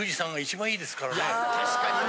確かにね。